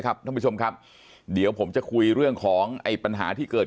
ท่านผู้ชมครับเดี๋ยวผมจะคุยเรื่องของไอ้ปัญหาที่เกิด